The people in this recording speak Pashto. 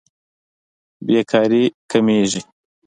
بېکاري کمېږي.